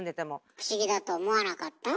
不思議だと思わなかった？